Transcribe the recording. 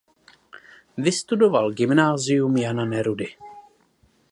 Vystudoval Gymnázium Jana Nerudy.